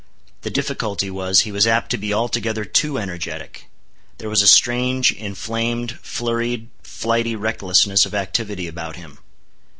The difficulty was, he was apt to be altogether too energetic. There was a strange, inflamed, flurried, flighty recklessness of activity about him.